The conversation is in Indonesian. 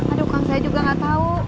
aduh kang saya juga nggak tahu